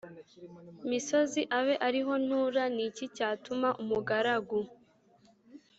misozi abe ari ho ntura Ni iki cyatuma umugaragu